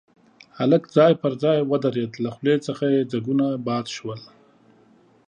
هلک ځای پر ځای ودرېد، له خولې څخه يې ځګونه باد شول.